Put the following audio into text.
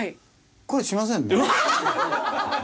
これしませんね。